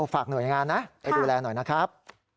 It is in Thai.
ฝากหน่วยงานนะไปดูแลหน่อยนะครับ